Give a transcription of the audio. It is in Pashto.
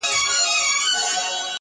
د پریان لوري” د هرات او ګندارا لوري”